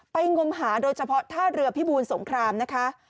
งมหาโดยเฉพาะท่าเรือพิบูลสงครามนะคะ